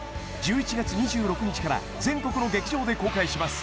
１１月２６日から全国の劇場で公開します